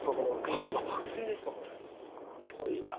っぽいな。